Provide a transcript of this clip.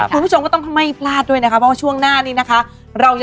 คุณผู้ชมก็ต้องไม่พลาดด้วยนะคะเพราะว่าช่วงหน้านี้นะคะ